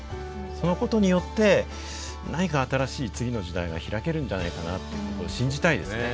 そのことによって何か新しい次の時代が開けるんじゃないかなっていうことを信じたいですね。